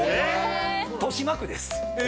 豊島区です。